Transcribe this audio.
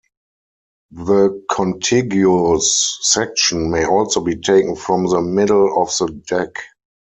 The contiguous section may also be taken from the middle of the deck.